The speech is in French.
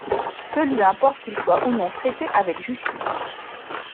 Peu lui importe qu’ils soient ou non traités avec justice.